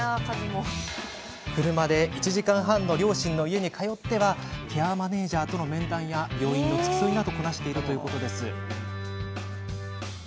車で１時間半の両親の家に通ってはケアマネージャーとの面談や病院の付き添いなどをこなしています。